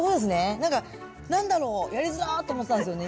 なんか何だろうやりづらっと思ってたんですよね。